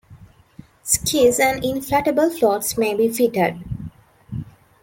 Skis and inflatable floats may be fitted.